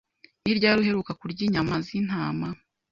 Ni ryari uheruka kurya inyama z'intama?